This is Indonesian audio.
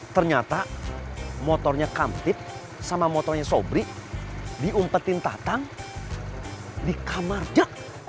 ternyata motornya kantik sama motornya sobri diumpetin tatang di kamarnya